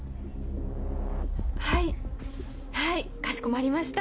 はいはいかしこまりました。